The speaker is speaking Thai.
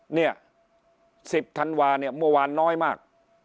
เนี่ย๑๐ธันวาเนี่ยเมื่อวานน้อยมาก